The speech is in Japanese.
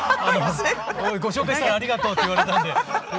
ご紹介したら「ありがとう」って言われたんで。